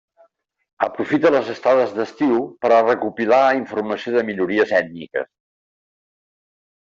Aprofita les estades d'estiu per a recopilar informació de minories ètniques.